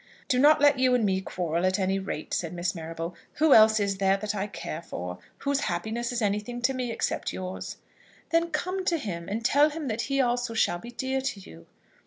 "Do not let you and me quarrel, at any rate," said Miss Marrable. "Who else is there that I care for? Whose happiness is anything to me except yours?" "Then come to him, and tell him that he also shall be dear to you."